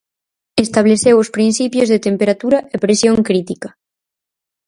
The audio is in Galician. Estableceu os principios de temperatura e presión crítica.